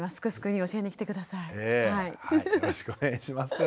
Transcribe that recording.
よろしくお願いします。